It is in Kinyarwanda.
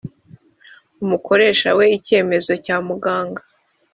umukoresha we icyemezo cya muganga